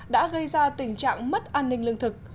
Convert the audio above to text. đã gây ra tình trạng mất an ninh lương thực